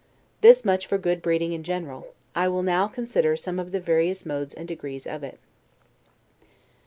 Thus much for good breeding in general; I will now consider some of the various modes and degrees of it.